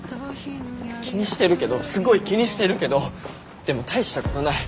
気にしてるけどすごい気にしてるけどでも大したことない。